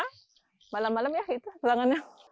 kalau malam malam ya itu tangannya